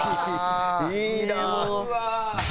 いいなあ。